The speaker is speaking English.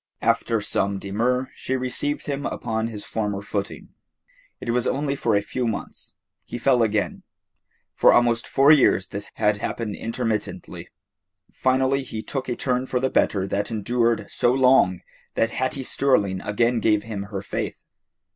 After some demur she received him upon his former footing. It was only for a few months. He fell again. For almost four years this had happened intermittently. Finally he took a turn for the better that endured so long that Hattie Sterling again gave him her faith.